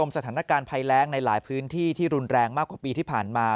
สถานการณ์ภัยแรงในหลายพื้นที่ที่รุนแรงมากกว่าปีที่ผ่านมา